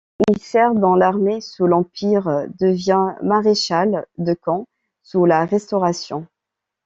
Il sert dans l'armée sous l'Empire, devient maréchal de camp sous la Restauration.